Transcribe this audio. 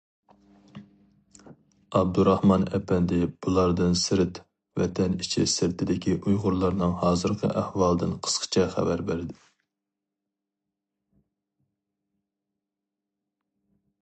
ئابدۇراخمان ئەپەندى بۇلاردىن سىرت ۋەتەن ئىچى سىرتىدىكى ئۇيغۇرلارنىڭ ھازىرقى ئەھۋالدىن قىسقىچە خەۋەر بەردى.